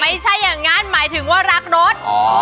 ไม่ใช่อย่างนั้นหมายถึงว่ารักรถ